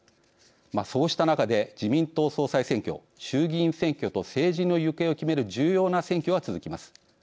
そうした中で自民党総裁選挙、衆議院選挙と政治の行方を決める重要な選挙が続きます。